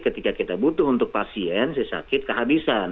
ketika kita butuh untuk pasien si sakit kehabisan